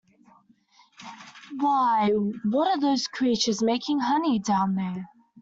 Why, what are those creatures, making honey down there?